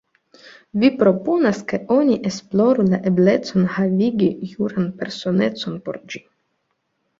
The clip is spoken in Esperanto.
Vi proponas, ke oni esploru la eblecojn havigi juran personecon por ĝi.